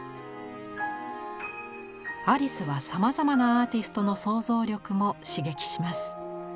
アリスはさまざまなアーティストの想像力も刺激します。